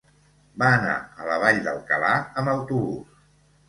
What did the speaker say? Va anar a la Vall d'Alcalà amb autobús.